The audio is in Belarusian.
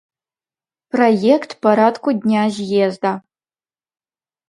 Праект парадку дня з'езда.